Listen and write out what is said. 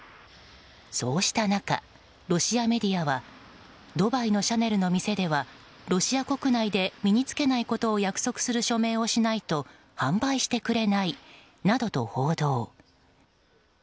そうした中、ロシアメディアはドバイのシャネルの店ではロシア国内で身に着けないことを約束する署名をしないと販売してくれないなどと報道。